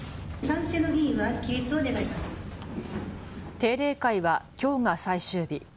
定例会はきょうが最終日。